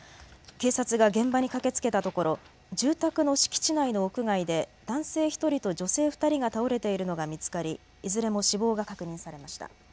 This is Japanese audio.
警察が現場に駆けつけたところ住宅の敷地内の屋外で男性１人と女性２人が倒れているのが見つかりいずれも死亡が確認されました。